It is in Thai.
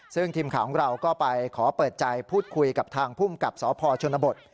ซึ่งทีมข่าวของเราก็ไปขอเปิดใจพูดคุยกับทางภูมิกับสพชนบท